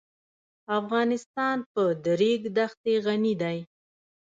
افغانستان په د ریګ دښتې غني دی.